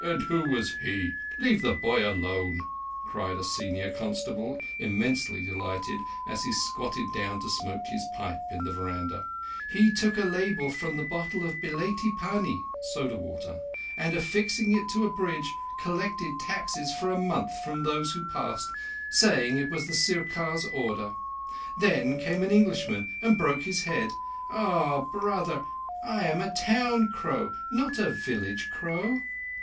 "And who was he? Leave the boy alone," cried a senior constable, immensely delighted, as he squatted down to smoke his pipe in the veranda. "He took a label from a bottle of belaitee pani (soda water), and, affixing it to a bridge, collected taxes for a month from those who passed, saying that it was the Sirkar's order. Then came an Englishman and broke his head. Ah, brother, I am a town crow, not a village crow!"